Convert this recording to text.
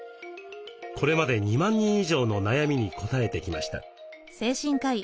これまで２万人以上の悩みにこたえてきました。